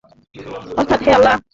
অর্থাৎ হে আল্লাহ!